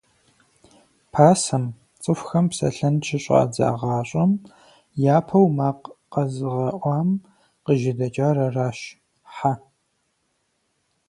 Пасэм, цӀыхухэм псэлъэн щыщӀадзагъащӀэм, япэу макъ къэзыгъэӀуам къыжьэдэкӀар аращ – Хьэ.